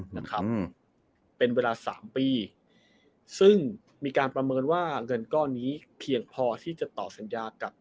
นะครับเป็นเวลาสามปีซึ่งมีการประเมินว่าเงินก้อนนี้เพียงพอที่จะต่อสัญญากับ